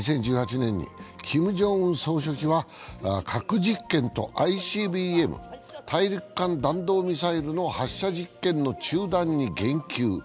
２０１８年にキム・ジョンウン総書記は核実験とＩＣＢＭ＝大陸間弾道ミサイルの発射実験の中断に言及。